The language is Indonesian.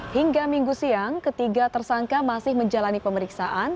hingga minggu siang ketiga tersangka masih menjalani pemeriksaan